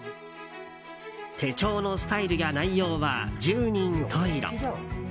手帳のスタイルや内容は十人十色。